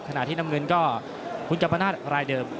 ขณะที่น้ำเงินก็คุณกัมปนาศรายเดิม